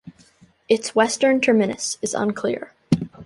Its western terminus is unclear.